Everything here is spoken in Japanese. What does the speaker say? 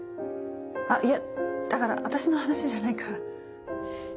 あっいやだから私の話じゃないから。